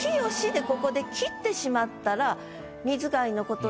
ここで切ってしまったら。